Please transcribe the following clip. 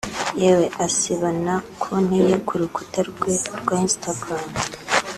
yewe asiba na konti ye ku rukuta rwe rwa Instagram